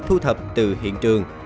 thu thập từ hiện trường